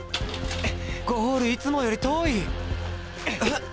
ゴールいつもより遠い！